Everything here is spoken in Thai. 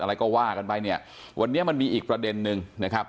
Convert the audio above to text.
อะไรก็ว่ากันไปเนี่ยวันนี้มันมีอีกประเด็นนึงนะครับ